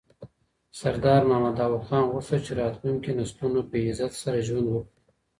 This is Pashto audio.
سردار محمد داود خان غوښتل چي راتلونکي نسلونه په عزت سره ژوند وکړي.